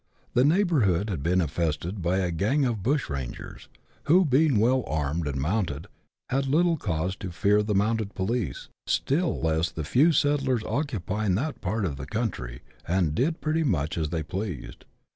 The neighbourhood had been infested by a gang of bush rangers, who, being well armed and mounted, had little cause to fear the mounted police, still less the few settlers occu pying that part of the country, and did pretty much as they pleased.